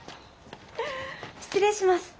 失礼します。